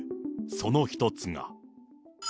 その１つが。